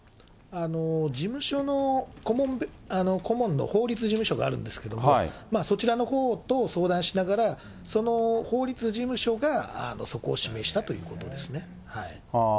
事務所の顧問の法律事務所があるんですけど、そちらのほうと相談しながら、その法律事務所がそこを指名したということですね。